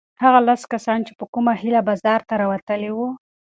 هغه لس کسان چې په کومه هیله بازار ته راوتلي وو؟